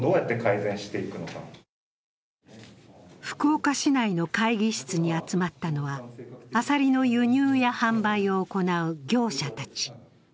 福岡市内の会議室に集まったのはアサリの輸入や販売を行う業者たち。